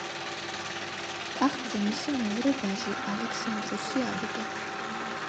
ტახტზე მისი მეორე ვაჟი ალექსანდროსი ავიდა.